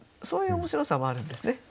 そういう面白さもあるんですね。